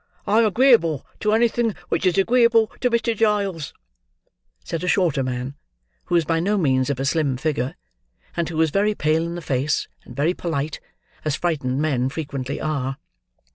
"I am agreeable to anything which is agreeable to Mr. Giles," said a shorter man; who was by no means of a slim figure, and who was very pale in the face, and very polite: as frightened men frequently are.